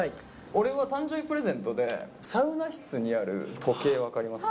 俺は誕生日プレゼントで、サウナ室にある時計分かります？